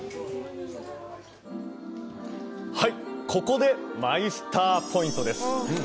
はいここでマイスターポイントです